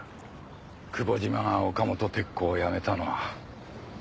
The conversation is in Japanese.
久保島が岡本鉄工を辞めたのは。